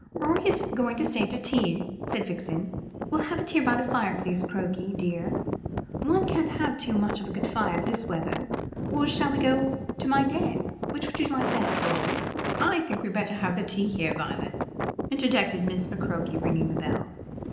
"Rorie is going to stay to tea," said Vixen. "We'll have it here by the fire, please, Crokey dear. One can't have too much of a good fire this weather. Or shall we go to my den? Which would you like best, Rorie?" "I think we had better have tea here, Violet," interjected Miss McCroke, ringing the bell.